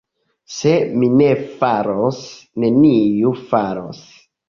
Se mi ne faros, neniu faros.